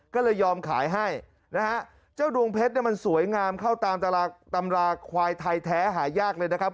ก็เลยยอมขายให้นะฮะเจ้าดวงเพชรเนี่ยมันสวยงามเข้าตามตำราควายไทยแท้หายากเลยนะครับ